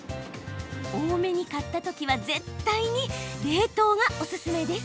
多めに買った時は絶対に冷凍がオススメです。